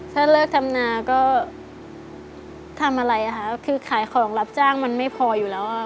ถ้าเลิกทำนาก็ทำอะไรอ่ะคะคือขายของรับจ้างมันไม่พออยู่แล้วอ่ะ